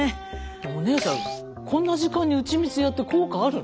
お姉さんこんな時間に打ち水やって効果あるの？